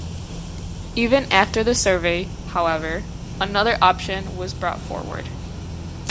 Even after the survey, however, another option was brought forward.